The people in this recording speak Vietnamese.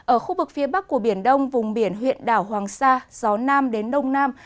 ở khu vực phía bắc của biển đông vùng biển huyện đảo hoàng sa gió nam đến đông nam